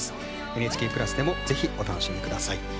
ＮＨＫプラスでもぜひ、お楽しみください。